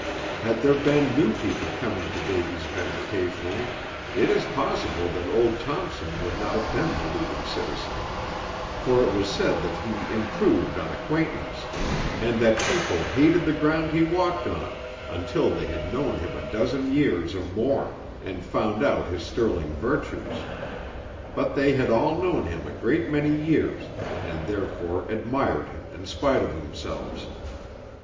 Had there been new people coming to Davy's Bend occasionally, it is possible that old Thompson would not have been the leading citizen, for it was said that he "improved on acquaintance," and that people hated the ground he walked on until they had known him a dozen years or more, and found out his sterling virtues; but they had all known him a great many years, and therefore admired him in spite of themselves.